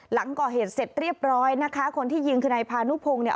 หลังก่อเหตุเสร็จเรียบร้อยนะคะคนที่ยิงคือนายพานุพงศ์เนี่ย